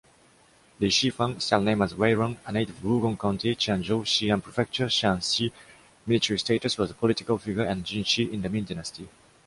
Li Shifang, style name as Weirong, a native of Wugong County, Qianzhou, Xi’an Prefecture, Shaanxi, military status, was a political figure and Jinshi in the Ming Dynasty.